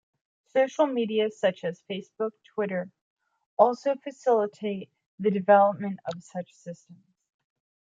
Social media such as Facebook, Twitter also facilitate the development of such systems.